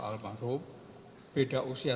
almarhum beda usia